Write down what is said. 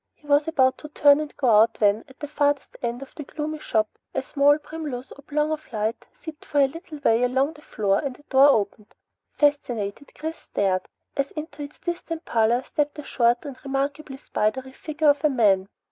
He was about to turn and go out when, at the farthest end of the gloomy shop, a small primrose oblong of light seeped for a little way along the floor and a door opened. Fascinated, Chris stared, as into this distant pallor stepped the short and remarkably spidery figure of a man.